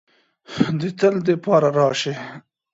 د تل د پاره راشې